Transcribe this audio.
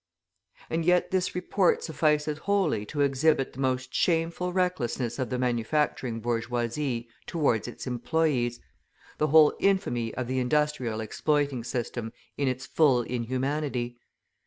And yet this report suffices wholly to exhibit the most shameful recklessness of the manufacturing bourgeoisie towards its employees, the whole infamy of the industrial exploiting system in its full inhumanity.